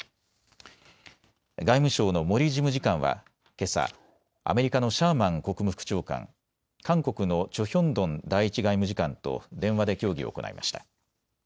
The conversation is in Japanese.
外務省の森事務次官はけさ、アメリカのシャーマン国務副長官、韓国のチョ・ヒョンドン第１外務次官と電話で協議を行いました。